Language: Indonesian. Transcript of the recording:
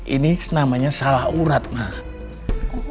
ini namanya salah urat mah